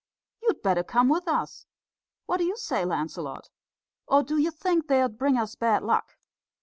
"You'd better come with us. What do you say, Lancelot? Or do you think they'd bring us bad luck?"